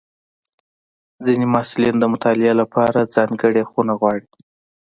ځینې محصلین د مطالعې لپاره ځانګړې خونه غواړي.